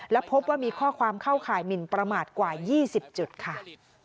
และพบว่ามีข้อความเข้าข่ายหมินประมาทกว่า๒๐จุดค่ะ